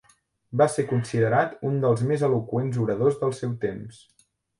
Va ser considerat un dels més eloqüents oradors del seu temps.